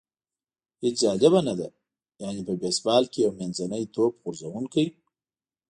هېڅ جالبه نه ده، یعنې په بېسبال کې یو منځنی توپ غورځوونکی.